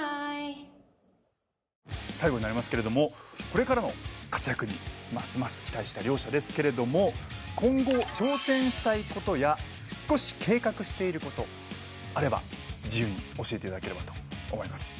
最後になりますがこれからの活躍にますます期待したい両者ですけど今後挑戦したいことや少し計画していることあれば自由に教えていただければと思います。